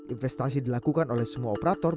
investasi dilakukan oleh semua operator